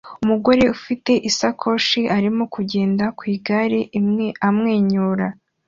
Umugore ufite isakoshi arimo kugenda ku igare amwenyura